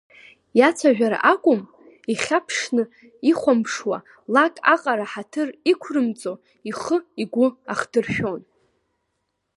Иацәажәара акәым, ихьаԥшны ихәамԥшуа, лак аҟара ҳаҭыр иқәрымҵо, ихы игәы ахдыршәон.